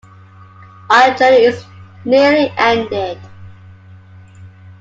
Our journey is nearly ended.